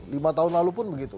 lima tahun lalu pun begitu